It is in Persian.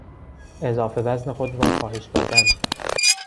اضافه وزن خود را کاهش دادن